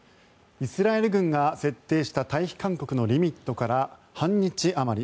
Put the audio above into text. イスラエル軍が設定した退避勧告のリミットから半日あまり。